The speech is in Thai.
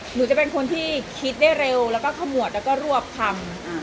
หนูจะเป็นคนที่คิดได้เร็วแล้วก็ขมวดแล้วก็รวบทำ